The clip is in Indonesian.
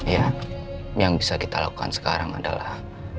ya yang bisa kita lakukan sekarang adalah